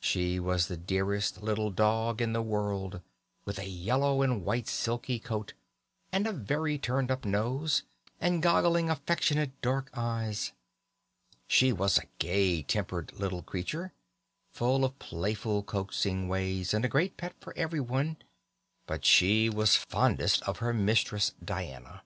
She was the dearest little dog in the world, with a yellow and white silky coat, and a very turned up nose, and goggling, affectionate dark eyes. She was a gay tempered little creature, full of playful coaxing ways, and a great pet with everyone; but she was fondest of her mistress, Diana.